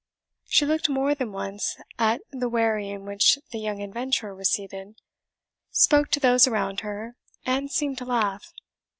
She looked more than once at the wherry in which the young adventurer was seated, spoke to those around her, and seemed to laugh.